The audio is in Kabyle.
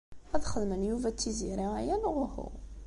Ad xedmen Yuba d Tiziri aya neɣ uhu?